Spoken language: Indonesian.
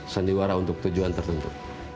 sendiwara untuk tujuan tertentu